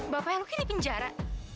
bapak yang lu kini di penjara